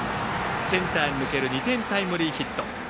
センターへ抜ける２点タイムリーヒット。